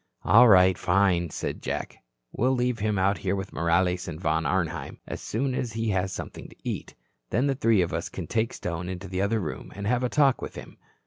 "All right, fine," said Jack. "We'll leave him out here with Morales and Von Arnheim, as soon as he has had something to eat. Then the three of us can take Stone into the other room and have a talk with him."